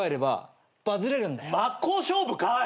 真っ向勝負かい。